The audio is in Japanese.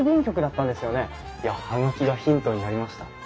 いや葉書がヒントになりました。